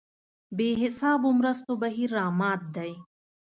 بې حسابو مرستو بهیر رامات دی.